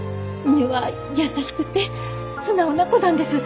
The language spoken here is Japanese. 根は優しくて素直な子なんです。